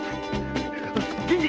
銀次！